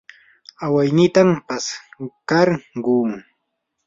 awaynitam paskarquu.